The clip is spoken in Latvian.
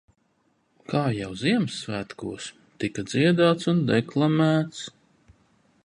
Kā jau Ziemassvētkos tika dziedāts un deklamēts.